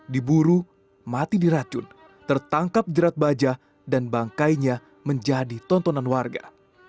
diburu mati diracun tertangkap jerat baja dan bangkainya menjadi tontonan warga